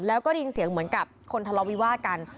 แล้วก็ได้ยินเสียงเหมือนกับคนทะเลาวิวาสกัน